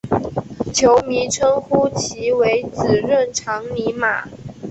球迷称呼其为孖润肠尼马。